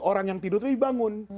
orang yang tidur itu dibangun